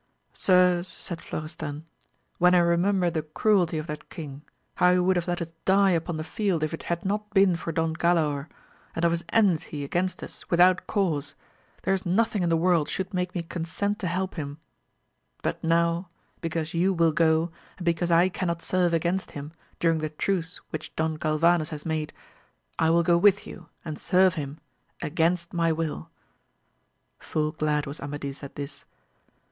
Sirs, said Florestan, when I remember the cruelty of that king, how he would have let us die upon the field if it had not been for Don Galaor, and of his enmity against us without cause, there is nothing in the world should make me consent to help him ; but now, because you will go, and because I cannot serve against him during the truce which Don Galvanes has made, I will go with you, and serve him against my will. Full glad was Amadis at this.